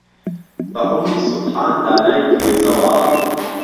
به عومری سوبحان دانای بیێ زەواڵ